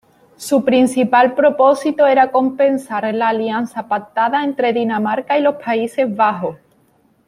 Su principal propósito era compensar la alianza pactada entre Dinamarca y los Países Bajos.